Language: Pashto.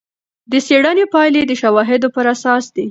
د څېړنې پایلې د شواهدو پر اساس دي.